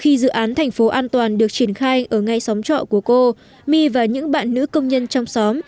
khi dự án thành phố an toàn được triển khai ở ngay xóm trọ của cô my và những bạn nữ công nhân trong xóm